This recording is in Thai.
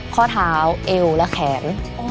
ข้อเท้าเอวและแขน